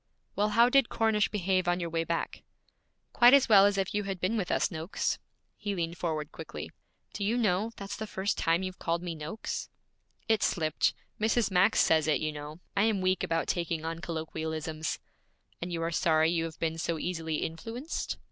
'Well, how did Cornish behave on your way back?' 'Quite as well as if you had been with us, Noakes.' He leaned forward quickly. 'Do you know, that's the first time you've called me "Noakes"?' 'It slipped. Mrs. Max says it, you know; I am weak about taking on colloquialisms.' 'And you are sorry you have been so easily influenced?'